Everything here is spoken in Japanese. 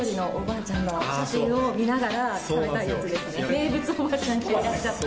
名物おばあちゃんがいらっしゃって。